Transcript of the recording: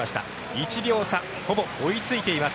１秒差、ほぼ追いついています